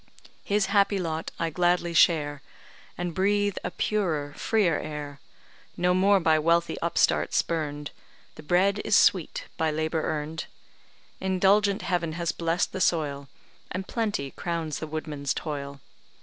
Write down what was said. His happy lot I gladly share, And breathe a purer, freer air; No more by wealthy upstart spurn'd, The bread is sweet by labour earn'd; Indulgent heaven has bless'd the soil, And plenty crowns the woodman's toil.